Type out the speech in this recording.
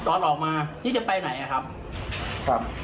ตอนออกมานี่จะไปไหนอ่ะครับ